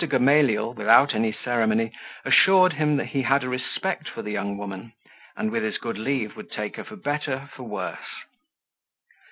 Gamaliel, without any ceremony, assured him he had a respect for the young woman, and, with his good leave, would take her for better, for worse.